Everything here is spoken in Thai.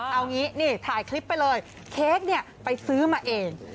เอางี้นี่ถ่ายคลิปไปเลยเค้กเนี่ยไปซื้อมาเอง